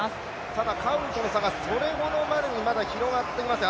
ただ、カウンとの差がそれほどまでに広がっていません。